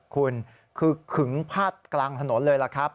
คุณคือขึงพาดกลางถนนเลยล่ะครับ